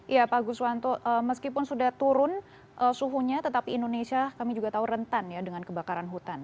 ya pak guswanto meskipun sudah turun suhunya tetapi indonesia kami juga tahu rentan ya dengan kebakaran hutan